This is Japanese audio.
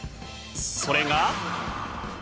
それが。